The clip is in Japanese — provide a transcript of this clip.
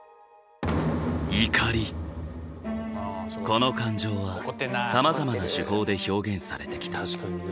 この感情はさまざまな手法で表現されてきた。